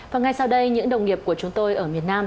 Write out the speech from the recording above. và ngay sau đây những đồng nghiệp của chúng tôi ở miền nam